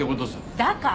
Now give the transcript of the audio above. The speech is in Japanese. だから。